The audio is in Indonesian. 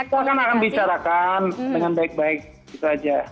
kita akan bicarakan dengan baik baik itu aja